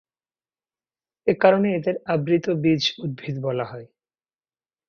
এ কারণে এদের আবৃতবীজ উদ্ভিদ বলা হয়।